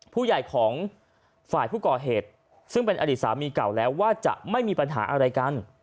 ผู้ใหญ่ของฝ่ายผู้ก่อเหตุซึ่งเป็นอดีตสามีเก่าแล้วว่าจะไม่มีปัญหาอะไรกัน